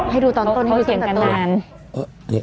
ให้ดูตอนต้นให้เสียงกันนาน